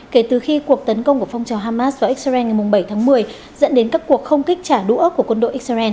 kể từ khi cuộc tấn công của phong trào hamas vào israel ngày bảy tháng một mươi dẫn đến các cuộc không kích trả đũa của quân đội israel